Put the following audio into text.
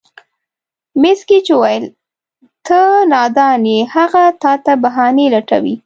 مېس ګېج وویل: ته نادان یې، هغه تا ته بهانې لټوي.